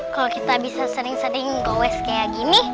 kalau kita bisa sering sering goes kayak gini